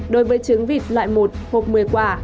đối với trứng vịt loại một hộp một mươi quả